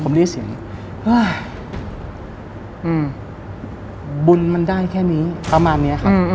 ผมได้เสียงอุ้ยอืมบุญมันได้แค่นี้ประมาณเนี้ยครับอืมอืม